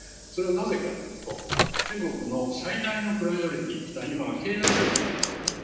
それはなぜかというと中国の最大のプライオリティーというのは今は経済成長なんですね。